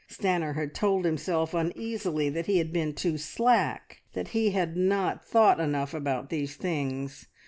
Stanor had told himself uneasily that he had been "too slack," that he had not thought enough about "these things."